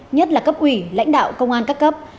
nhất là cấp ủy lãnh đạo công an các cấp